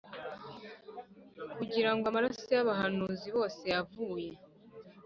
kugira ngo amaraso y abahanuzi bose yavuye